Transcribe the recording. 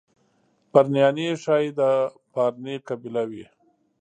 پرنیاني ښایي د پارني قبیله وي.